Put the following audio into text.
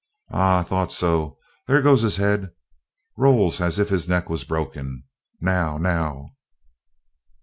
Ah, I thought so. There goes his head! Rolls as if his neck was broken. Now! Now!"